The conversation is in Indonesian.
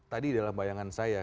tadi dalam bayangan saya